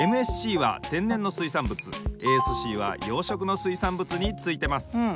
ＭＳＣは天然の水産物ＡＳＣは養殖の水産物についてます。